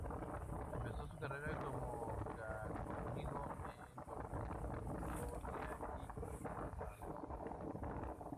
Empezó su carrera como canónigo en Colonia y Estrasburgo.